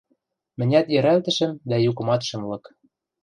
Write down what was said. Мӹнят йӹрӓлтӹшӹм дӓ юкымат шӹм лык.